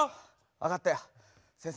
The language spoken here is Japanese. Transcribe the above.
分かったよ先生。